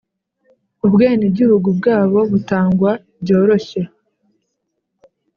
Ubwenegihugu bwabo butangwa byoroshye.